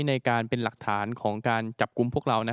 ในการเป็นหลักฐานของการจับกลุ่มพวกเรา